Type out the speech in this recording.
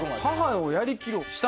「母をやりきろう」？